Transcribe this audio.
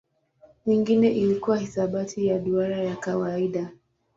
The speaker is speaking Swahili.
Nyingine ilikuwa hisabati ya duara ya kawaida.